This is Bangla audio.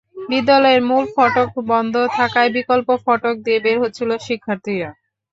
বিদ্যালয়ের মূল ফটক বন্ধ থাকায় বিকল্প ফটক দিয়ে বের হচ্ছিল শিক্ষার্থীরা।